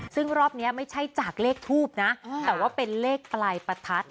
ซึ่งรอบนี้ไม่ใช่จากเลขทูบนะแต่ว่าเป็นเลขปลายประทัด